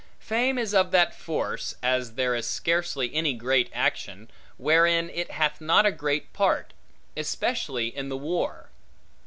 Fame is of that force, as there is scarcely any great action, wherein it hath not a great part; especially in the war.